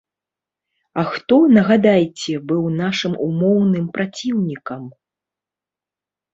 А хто, нагадайце, быў нашым умоўным праціўнікам?